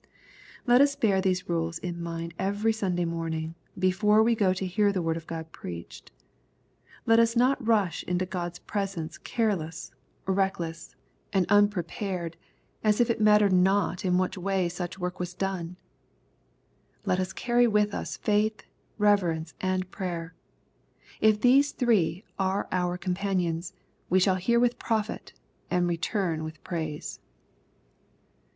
Let us beai these rules in mind every Sunday morning, before we go to hear the Word of God preached. Let us not rush into God's presence careless, reckless, and LTJKB, CHAP. vin. 259 unprepared, as if it mattered not in what way sueh work was done. Let us carry with us faith, reverence, and prayer. If £hese three are our companions, we shall hear with profit, and return with praise.